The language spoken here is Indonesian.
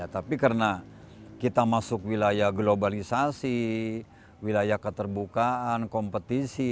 tapi karena kita masuk wilayah globalisasi wilayah keterbukaan kompetisi